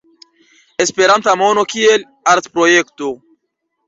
Esperanta mono kiel artprojekto.